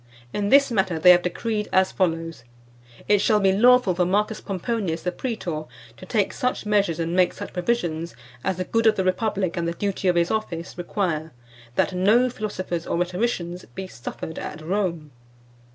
In this matter, they have decreed as follows: 'It shall be lawful for M. Pomponius, the praetor, to take such measures, and make such provisions, as the good of the Republic, and the duty of his office, require, that no Philosophers or Rhetoricians be suffered at Rome.